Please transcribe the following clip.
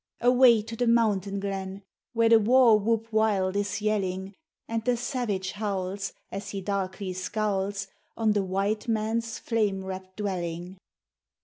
Away to the mountain glen! Where the warwhoop wild is yelling, And the savage howls As he darkly scowls On the white man's flame wrapped dwelling.